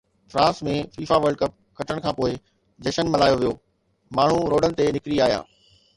France ۾ FIFA World Cup کٽڻ کانپوءِ جشن ملهايو ويو، ماڻهو روڊن تي نڪري آيا